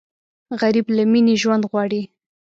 غریب له مینې ژوند غواړي